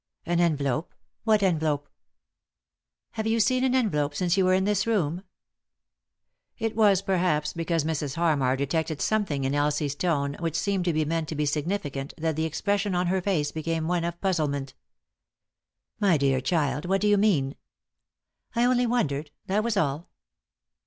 " An envelope ? What envelope ?"" Have you seen an envelope since yon were in this room ?" It was perhaps because Mrs, Harmar detected something in Elsie's tone which seemed to be meant to be significant that the expression on her face became one of puzzlement. " My dear child, what do you mean ?" "I only wondered; that was all."